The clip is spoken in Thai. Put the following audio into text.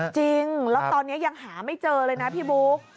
จริงแล้วตอนนี้ยังหาไม่เจอเลยนะพี่บุ๊ค